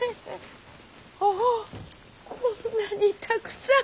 ああこんなにたくさん！